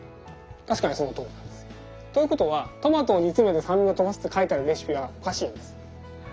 確かにそのとおりなんです。ということはトマトを煮詰めて酸味をとばすって書いてあるレシピはおかしいんです。